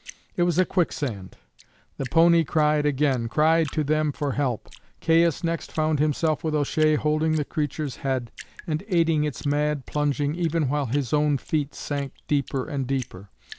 It was a quicksand. The pony cried again cried to them for help. Caius next found himself with O'Shea holding the creature's head, and aiding its mad plunging, even while his own feet sank deeper and deeper.